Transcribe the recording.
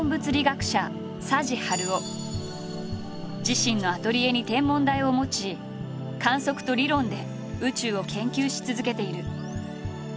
自身のアトリエに天文台を持ち観測と理論で宇宙を研究し続けている。